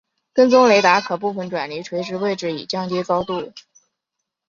跟踪雷达可部分转离垂直位置以降低高度。